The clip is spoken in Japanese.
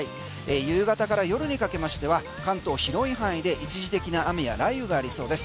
夕方から夜にかけましては関東、広い範囲で一時的な雨や雷雨がありそうです。